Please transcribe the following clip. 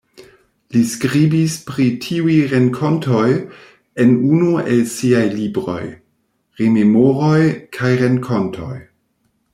Li skribis pri tiuj renkontoj en unu el siaj libroj: "Rememoroj kaj renkontoj".